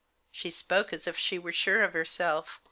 She spoke as if she were sure of herself.